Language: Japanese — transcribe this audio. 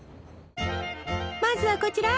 まずはこちら！